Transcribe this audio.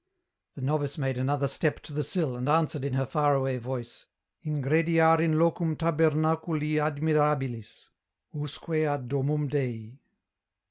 The novice made another step to the sill and answered in her far away voice, —" Ingrediar in locum tabernaculi admirabilis : usque ad domum Dei."